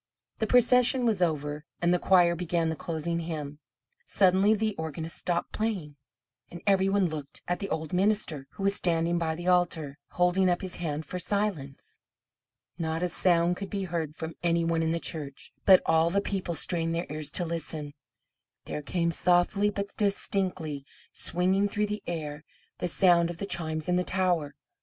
The procession was over, and the choir began the closing hymn. Suddenly the organist stopped playing; and every one looked at the old minister, who was standing by the altar, holding up his hand for silence. Not a sound could be heard from any one in the church, but as all the people strained their ears to listen, there came softly, but distinctly, swinging through the air, the sound of the chimes in the tower.